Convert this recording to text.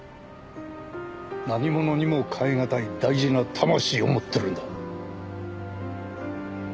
何物にもかえがたい大事な魂を持ってるんだ。